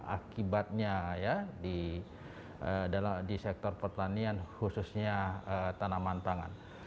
akibatnya ya di sektor pertanian khususnya tanaman pangan